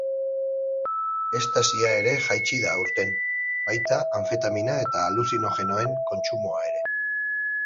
Estasia ere jaitsi egin da aurten, baita anfetamina eta aluzinogenoen kontsumoa ere.